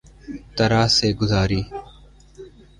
طرح سے گزاری